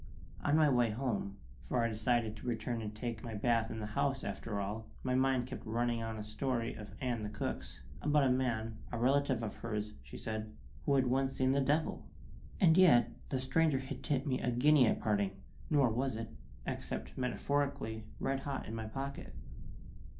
On my way home for I decided to return and take my bath in the house, after all my mind kept running on a story of Ann the cook's, about a man (a relative of hers, she said) who had once seen the devil. And yet the stranger had tipped me a guinea at parting, nor was it (except metaphorically) red hot in my pocket.